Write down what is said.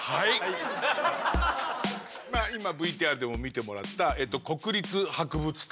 今ＶＴＲでも見てもらった国立博物館。